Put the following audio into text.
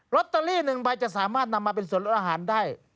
ตเตอรี่๑ใบจะสามารถนำมาเป็นส่วนลดอาหารได้